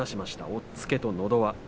押っつけと、のど輪。